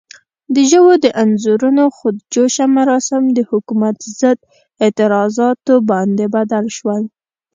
د ژو د انځورونو خود جوشه مراسم د حکومت ضد اعتراضاتو باندې بدل شول.